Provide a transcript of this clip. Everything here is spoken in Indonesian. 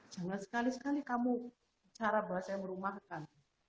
jangan sekali sekali kamu cara bahasa yang merumahkan